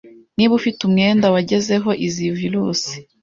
niba ufite umwenda wagezeho izi virus